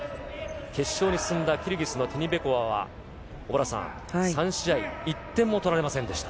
決勝に進んだキルギスのティニベコワは、小原さん、３試合、１点も取られませんでした。